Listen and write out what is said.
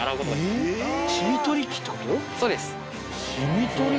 そうです。